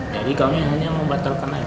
jadi kami hanya membatalkan saja